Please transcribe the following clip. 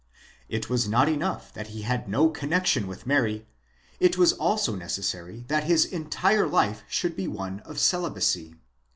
It was not enough that he had no connexion with Mary ; it was also necessary that his entire life should be one of celibacy.